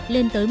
lên tới một